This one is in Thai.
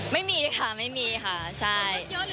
ไม่มีค่ะไม่มีค่ะใช่